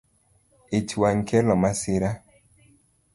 Ich wang’ kelo masira